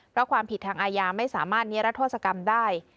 เพราะความผิดทางอาญาไม่สามารถนิรัทธศกรรมได้